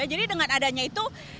jadi dengan adanya itu